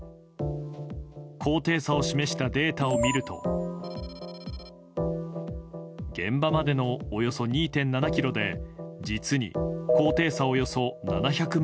高低差を示したデータを見ると現場までのおよそ２．７ｋｍで実に高低差およそ７００ｍ。